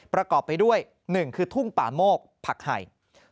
ประกอบไปด้วย๑คือทุ่งป่าโมกผักไห่